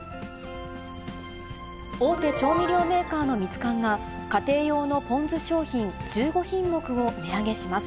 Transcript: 大手調味料メーカーのミツカンが、家庭用のぽん酢商品１５品目を値上げします。